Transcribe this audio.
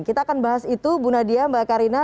kita akan bahas itu bu nadia mbak karina